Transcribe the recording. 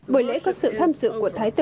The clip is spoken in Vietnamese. bởi lễ có sự tham dự của thái thái